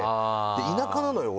田舎なのよ俺。